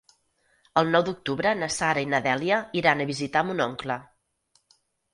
El nou d'octubre na Sara i na Dèlia iran a visitar mon oncle.